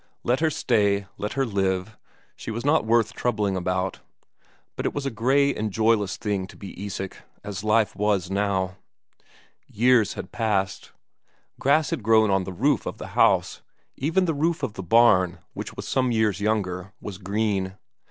Let her stay, let her live she was not worth troubling about. But it was a grey and joyless thing to be Isak, as life was now. Years had passed. Grass had grown on the roof of the house, even the roof of the barn, which was some years younger, was green.